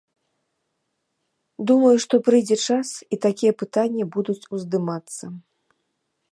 Думаю, што прыйдзе час, і такія пытанні будуць уздымацца.